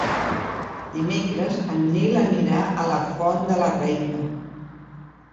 Dimecres en Nil anirà a la Font de la Reina.